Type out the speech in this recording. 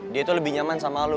dia tuh lebih nyaman sama lu